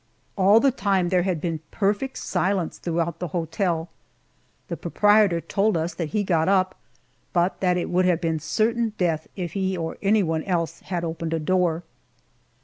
All the time there had been perfect silence throughout the hotel. The proprietor told us that he got up, but that it would have been certain death if he or anyone else had opened a door.